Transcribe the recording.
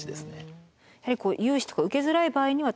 やはりこう融資とか受けづらい場合にはとても。